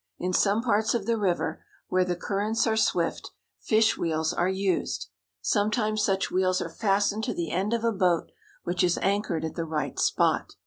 In some parts of the river, where the currents are swift, fish wheels are used. Sometimes such wheels are fastened to the end of a boat which is anchored at the right spot.